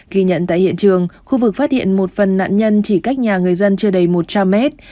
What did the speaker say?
ghi nhận tại hiện trường khu vực phát hiện một phần nạn nhân chỉ cách nhà người dân chưa đầy một trăm linh mét